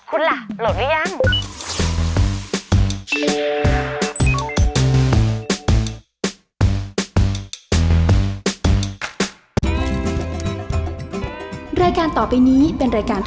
คุณล่ะโหลดหรือยัง